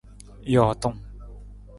Jootung.